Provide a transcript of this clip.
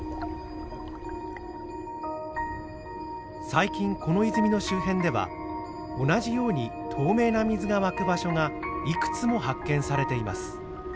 最近この泉の周辺では同じように透明な水が湧く場所がいくつも発見されています。